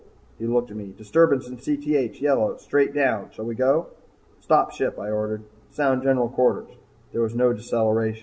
He looked at me. "Disturbance in Cth yellow, straight down shall we go?" "Stop ship," I ordered. "Sound general quarters." There was no deceleration.